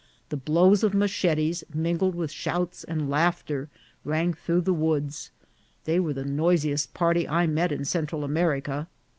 The blows of machetes, mingled with shouts and laughter, rang through the woods ; they were the noisiest party I met in Central America.